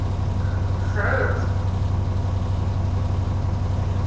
Tesɛiḍ-tt.